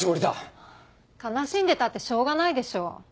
悲しんでたってしょうがないでしょ。